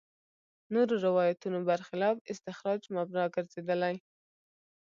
نورو روایتونو برخلاف استخراج مبنا ګرځېدلي.